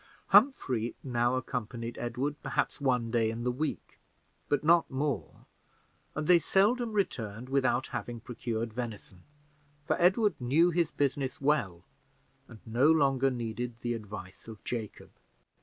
Humphrey now accompanied Edward perhaps one day in the week, but not more, and they seldom returned without having procured venison, for Edward knew his business well, and no longer needed the advice of Jacob.